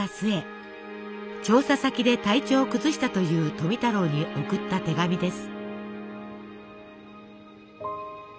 調査先で体調を崩したという富太郎に送った手紙です。